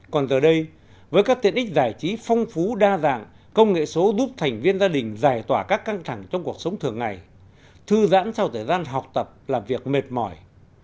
còn giờ đây với các tiện ích giải trí phong phú đa dạng công nghệ số giúp thành viên gia đình giải tỏa các căng thẳng trong cuộc sống thường ngày thư giãn sau thời gian học tập là việc mệt mỏi